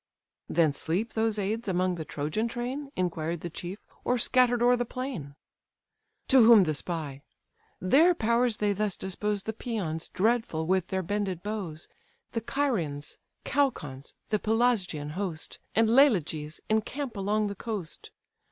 "Then sleep those aids among the Trojan train, (Inquired the chief,) or scattered o'er the plain?" To whom the spy: "Their powers they thus dispose The Paeons, dreadful with their bended bows, The Carians, Caucons, the Pelasgian host, And Leleges, encamp along the coast.